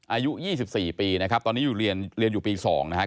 อายุ๒๔ปีนะครับตอนนี้อยู่เรียนอยู่ปี๒นะครับ